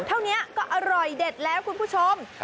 เท่านี้ก็อร่อยเด็ดแล้วคุณผู้ชม